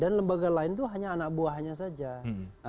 dan lembaga lain itu hanya anak buahnya saja